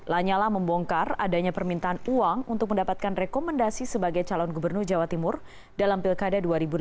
lanyala membongkar adanya permintaan uang untuk mendapatkan rekomendasi sebagai calon gubernur jawa timur dalam pilkada dua ribu delapan belas